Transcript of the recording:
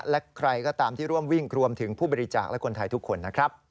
และใครก็ตามที่ร่วมวิ่งรวมถึงผู้บริจาคและคนไทยทุกคนนะครับ